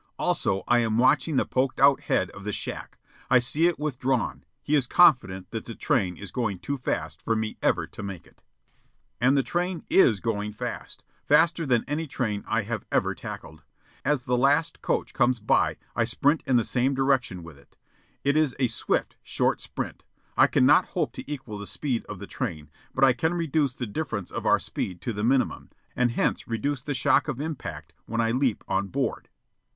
Also I am watching the poked out head of the shack. I see it withdrawn. He is confident that the train is going too fast for me ever to make it. And the train is going fast faster than any train I have ever tackled. As the last coach comes by I sprint in the same direction with it. It is a swift, short sprint. I cannot hope to equal the speed of the train, but I can reduce the difference of our speed to the minimum, and, hence, reduce the shock of impact, when I leap on board.